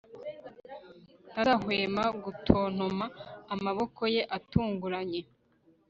ntazahwema gutontoma, amaboko ye atunguranye